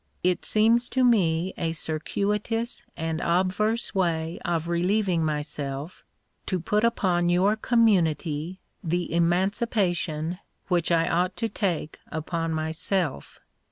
It seems to me a circuitous and obverse way of relieving myself to put upon your community the emancipation which I ought to take upon myself.